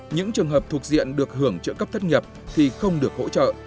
những trường hợp thuộc diện được hưởng trợ cấp thất nghiệp thì không được hỗ trợ